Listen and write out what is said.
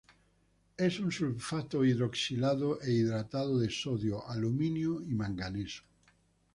Es un sulfato hidroxilado e hidratado de sodio, aluminio y manganeso.